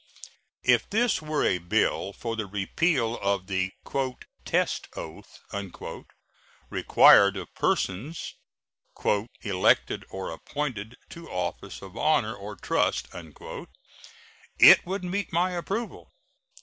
If this were a bill for the repeal of the "test oath" required of persons "elected or appointed to offices of honor or trust," it would meet my approval.